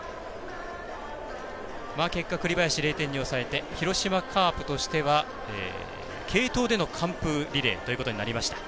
結果、栗林０点に抑えて広島カープとしては継投での完封リレーということになりました。